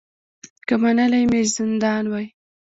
که منلی مي زندان وای